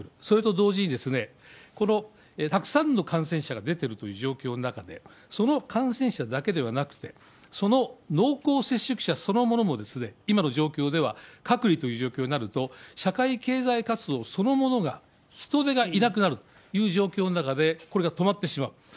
それと同時にですね、このたくさんの感染者が出てるという状況の中で、その感染者だけではなくて、その濃厚接触者そのものも、今の状況では、隔離という状況になると、社会経済活動そのものが、人手がいなくなるという状況の中で、これが止まってしまう。